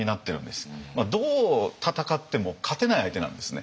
どう戦っても勝てない相手なんですね。